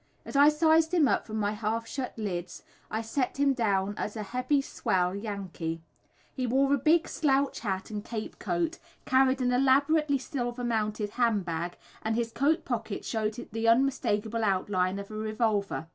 As I sized him up from my half shut lids I set him down as a "heavy swell" Yankee. He wore a big slouch hat and cape coat, carried an elaborately silver mounted handbag, and his coat pocket showed the unmistakable outline of a revolver.